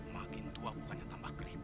makin tua bukan yang tambah keribut